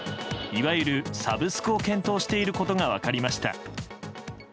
いわゆるサブスクを検討していることが分かりました。